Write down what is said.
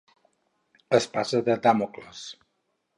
Espasa de Dàmocles.